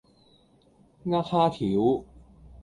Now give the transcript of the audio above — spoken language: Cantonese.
呃蝦條